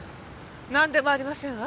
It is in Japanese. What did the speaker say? なんでもありませんわ。